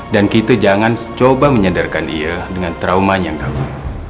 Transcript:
dan kita jangan coba menyadarkan dia dengan trauma yang dahulu